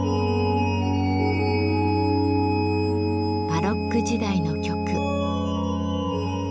バロック時代の曲。